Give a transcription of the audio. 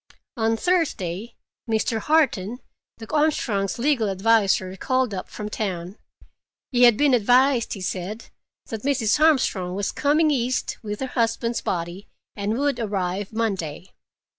On Thursday Mr. Harton, the Armstrongs' legal adviser, called up from town. He had been advised, he said, that Mrs. Armstrong was coming east with her husband's body and would arrive Monday.